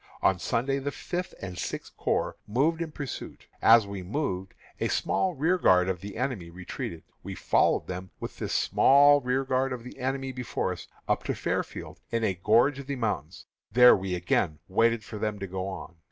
On Sunday the Fifth and Sixth Corps moved in pursuit. As we moved, a small rearguard of the enemy retreated. We followed them, with this small rearguard of the enemy before us, up to Fairfield, in a gorge of the mountains. There we again waited for them to go on.